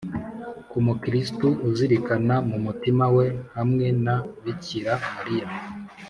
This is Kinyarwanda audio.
ku mukristu uzirikana mu mutima we, hamwe na bikira mariya